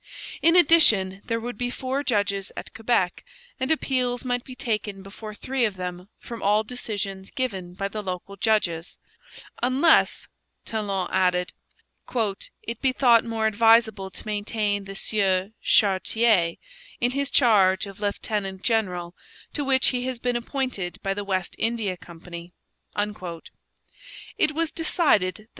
In addition, there would be four judges at Quebec, and appeals might be taken before three of them from all decisions given by the local judges 'unless,' Talon added, 'it be thought more advisable to maintain the Sieur Chartier in his charge of lieutenant general, to which he has been appointed by the West India Company.' It was decided that M.